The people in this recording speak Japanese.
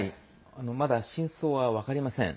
まだ真相は分かりません。